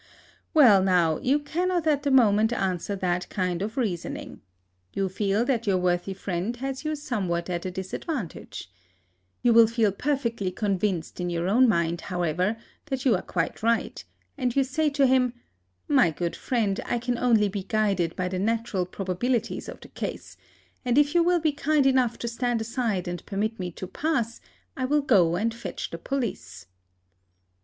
Well, now, you cannot at the moment answer that kind of reasoning. You feel that your worthy friend has you somewhat at a disadvantage. You will feel perfectly convinced in your own mind, however, that you are quite right, and you say to him, "My good friend, I can only be guided by the natural probabilities of the case, and if you will be kind enough to stand aside and permit me to pass, I will go and fetch the police."